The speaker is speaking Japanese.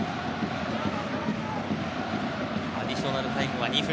アディショナルタイムは２分。